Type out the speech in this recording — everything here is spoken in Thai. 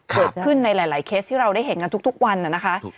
เกิดขึ้นในหลายเคสที่เราได้เห็นกันทุกวันนะคะ